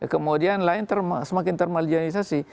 kemudian lain semakin termarginalisasi